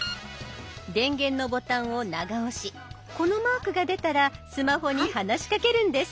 電源のボタンを長押しこのマークが出たらスマホに話しかけるんです。